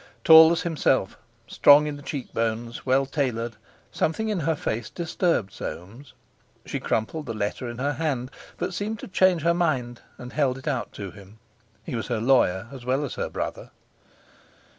Tall as himself, strong in the cheekbones, well tailored, something in her face disturbed Soames. She crumpled the letter in her hand, but seemed to change her mind and held it out to him. He was her lawyer as well as her brother.